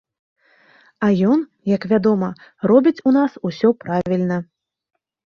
А ён, як вядома, робіць у нас усё правільна.